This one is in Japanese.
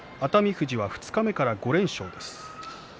富士は二日目から５連勝です。